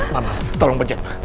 mama tolong pecah